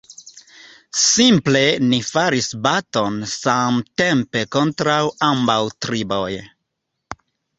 Simple ni faris baton samtempe kontraŭ ambaŭ triboj.